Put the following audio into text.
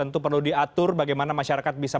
untuk menyampaikan bahwa introsur